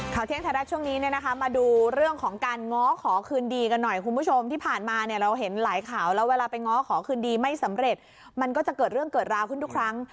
เที่ยงไทยรัฐช่วงนี้เนี่ยนะคะมาดูเรื่องของการง้อขอคืนดีกันหน่อยคุณผู้ชมที่ผ่านมาเนี่ยเราเห็นหลายข่าวแล้วเวลาไปง้อขอคืนดีไม่สำเร็จมันก็จะเกิดเรื่องเกิดราวขึ้นทุกครั้ง